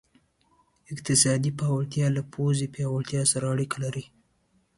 اقتصادي پیاوړتیا له پوځي پیاوړتیا سره اړیکه لري.